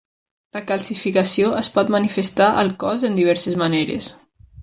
La calcificació es pot manifestar al cos en diverses maneres.